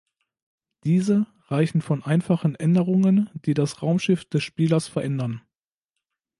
Diese reichen von einfachen Änderungen, die das Raumschiff des Spielers verändern.